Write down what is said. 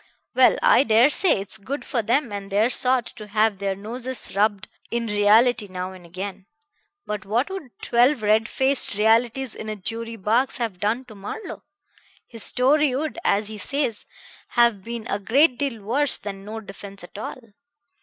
Well, I dare say it's good for them and their sort to have their noses rubbed in reality now and again. But what would twelve red faced realities in a jury box have done to Marlowe? His story would, as he says, have been a great deal worse than no defense at all.